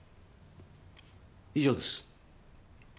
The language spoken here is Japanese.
以上です。